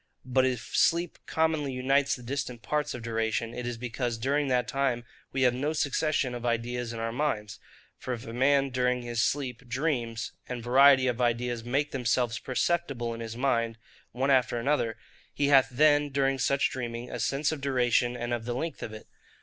But if sleep commonly unites the distant parts of duration, it is because during that time we have no succession of ideas in our minds. For if a man, during his sleep, dreams, and variety of ideas make themselves perceptible in his mind one after another, he hath then, during such dreaming, a sense of duration, and of the length of it.